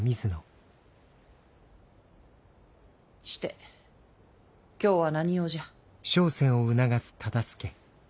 して今日は何用じゃ？